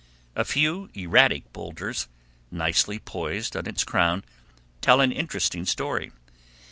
A few erratic boulders, nicely poised on its crown, tell an interesting story.